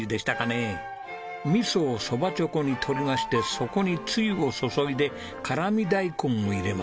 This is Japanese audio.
味噌を蕎麦猪口に取りましてそこにつゆを注いで辛味大根を入れます。